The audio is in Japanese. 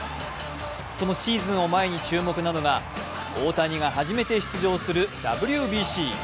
そのシーズンを前に注目なのが、大谷が初めて出場するＷＢＣ。